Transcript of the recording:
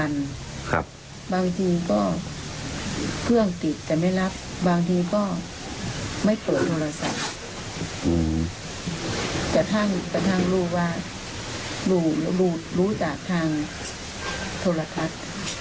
แล้วลูกรูดจากทางโทรทัก